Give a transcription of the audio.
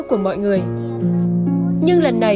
con xin ông ạ